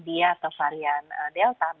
dia atau varian delta b tujuh belas